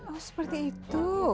oh seperti itu